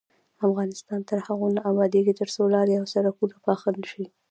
افغانستان تر هغو نه ابادیږي، ترڅو لارې او سرکونه پاخه نشي.